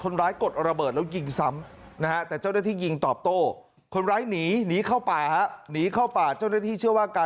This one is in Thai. คนร้ายกดระเบิดแล้วยิงซ้ำนะฮะ